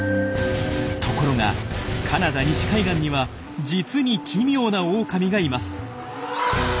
ところがカナダ西海岸には実に奇妙なオオカミがいます。